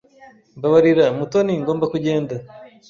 Mbabarira, Mutoni, ngomba kugenda.